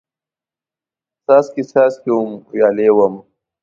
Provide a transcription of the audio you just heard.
څاڅکي، څاڅکي وم، ویالې وم